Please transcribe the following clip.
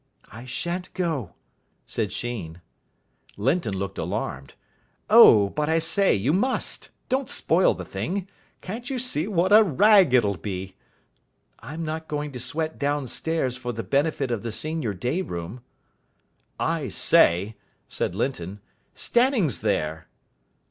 "I shan't go," said Sheen. Linton looked alarmed. "Oh, but I say, you must. Don't spoil the thing. Can't you see what a rag it'll be?" "I'm not going to sweat downstairs for the benefit of the senior day room." "I say," said Linton, "Stanning's there."